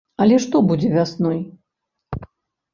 Але што будзе вясной?